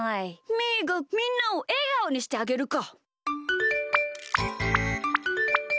みーがみんなをえがおにしてあげるか！